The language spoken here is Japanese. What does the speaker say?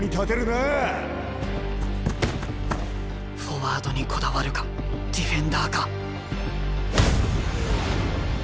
フォワードにこだわるかディフェンダーか。